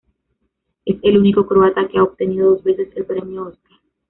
Es el único croata que ha obtenido dos veces el premio Óscar.